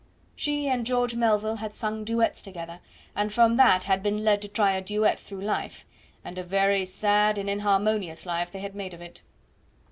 She and George Melville had sung duets together, and from that had been led to try a duet through life; and a very sad and inharmonious life they had made of it.